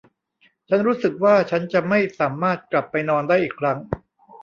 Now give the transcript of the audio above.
ฉันรู้สึกว่าฉันจะไม่สามารถกลับไปนอนได้อีกครั้ง